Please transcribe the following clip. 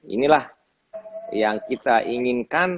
inilah yang kita inginkan